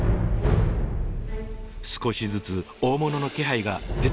⁉少しずつ大物の気配が出てきたか。